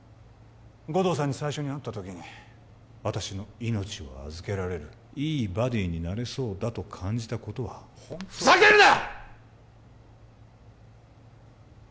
護道さんに最初に会った時に私の命を預けられるいいバディになれそうだと感じたことは本当ふざけるな！